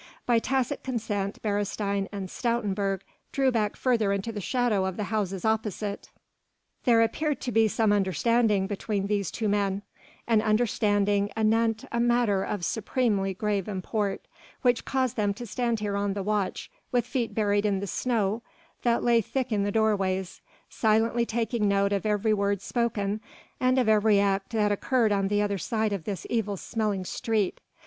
By tacit consent Beresteyn and Stoutenburg drew back further into the shadow of the houses opposite. There appeared to be some understanding between these two men, an understanding anent a matter of supremely grave import, which caused them to stand here on the watch with feet buried in the snow that lay thick in the doorways, silently taking note of every word spoken and of every act that occurred on the other side of this evil smelling street.